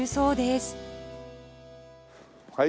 はい。